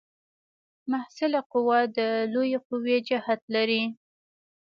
محصله قوه د لویې قوې جهت لري.